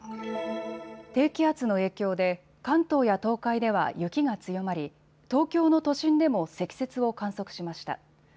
低気圧の影響で関東や東海では雪が強まり東京の都心でも積雪を観測しました。